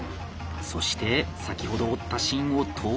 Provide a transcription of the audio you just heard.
そして先ほど折った芯を投入する！